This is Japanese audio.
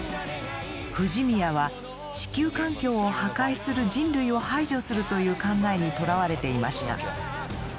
藤宮は地球環境を破壊する人類を排除するという考えにとらわれていました。